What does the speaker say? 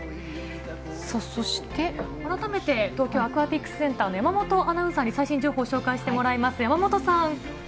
改めて東京アクアティクスセンターの山本アナウンサーに最新情報を紹介してもらいます。